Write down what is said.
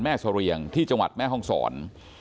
แม่สะเรียงที่จังหวัดแม่ฮ่องศร